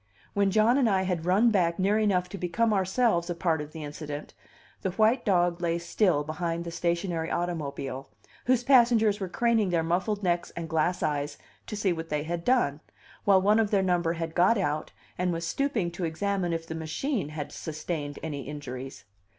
When John and I had run back near enough to become ourselves a part of the incident, the white dog lay still behind the stationary automobile, whose passengers were craning their muffled necks and glass eyes to see what they had done, while one of their number had got out, and was stooping to examine if the machine had sustained any injuries.